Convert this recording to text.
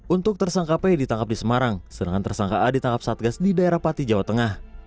untuk tersangka p ditangkap di semarang sedangkan tersangka a ditangkap satgas di daerah pati jawa tengah